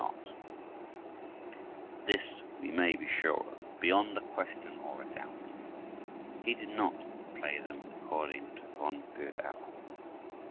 But this we may be sure of, beyond a question or a doubt: He did not play them according to von Bülow.